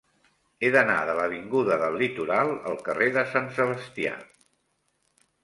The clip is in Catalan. He d'anar de l'avinguda del Litoral al carrer de Sant Sebastià.